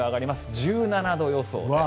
１７度予想です。